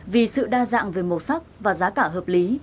vì sự đa dạng về màu sắc và giá cả hợp lý